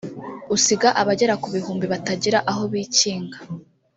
usiga abagera ku bihumbi batagira aho bikinga